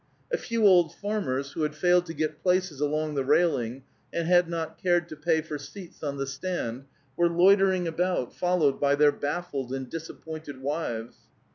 A few old farmers, who had failed to get places along the railing and had not cared to pay for seats on the stand, were loitering about, followed by their baffled and disappointed wives.